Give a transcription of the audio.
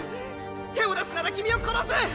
手を出すなら君を殺す！